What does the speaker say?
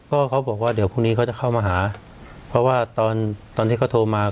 ก็เขาบอกว่าเดี๋ยวพรุ่งนี้เขาจะเข้ามาหาเพราะว่าตอนตอนที่เขาโทรมา